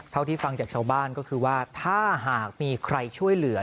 เท่าที่ฟังจากชาวบ้านก็คือว่าถ้าหากมีใครช่วยเหลือ